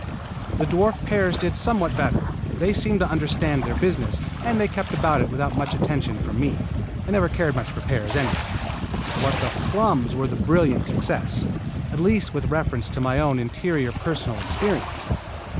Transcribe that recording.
The dwarf pears did somewhat better. They seemed to understand their business, and they kept about it without much attention from me. I never cared much for pears, anyway. But the plums were the brilliant success, at least with reference to my own interior personal experience.